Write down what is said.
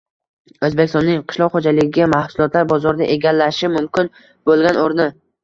O‘zbekistonning qishloq xo‘jaligi mahsulotlari bozorida egallashi mumkin bo‘lgan o‘rni